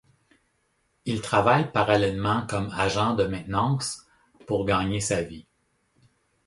Il travaille parallèlement comme agent de maintenance pour gagner sa vie.